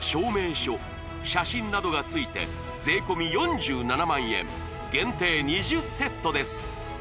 書写真などがついて税込４７万円限定２０セットです